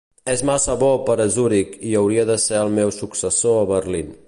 És massa bo per a Zurich i hauria de ser el meu successor a Berlin.